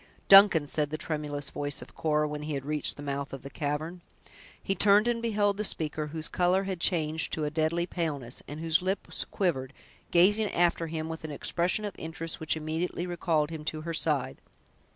"Duncan!" said the tremulous voice of Cora, when he had reached the mouth of the cavern. He turned and beheld the speaker, whose color had changed to a deadly paleness, and whose lips quivered, gazing after him, with an expression of interest which immediately recalled him to her side.